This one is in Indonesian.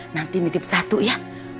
nanti nitip satu ya